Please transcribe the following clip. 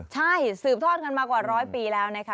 ใช่สืบทอดกันมากว่าร้อยปีแล้วนะคะ